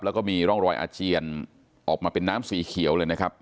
แล้วก็มีร่องรอยอาเจียนออกมาเป็นน้ำสีเขียวเลยนะครับ